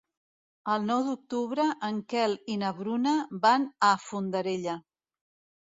El nou d'octubre en Quel i na Bruna van a Fondarella.